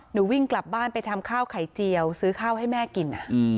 วิ่งกลับบ้านไปทำข้าวไข่เจียวซื้อข้าวให้แม่กิน